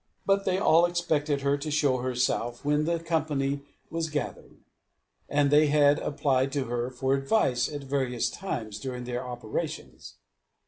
But they all expected her to show herself when the company was gathered; and they had applied to her for advice at various times during their operations.